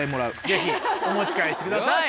ぜひお持ち帰りしてください。